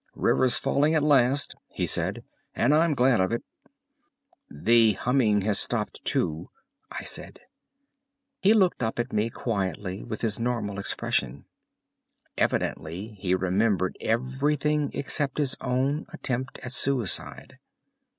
"River's falling at last," he said, "and I'm glad of it." "The humming has stopped too," I said. He looked up at me quietly with his normal expression. Evidently he remembered everything except his own attempt at suicide.